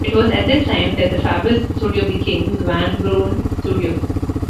It was at this time that the Fables Studio became the Van Beuren Studio.